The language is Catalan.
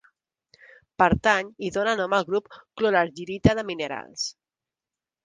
Pertany i dóna nom al grup clorargirita de minerals.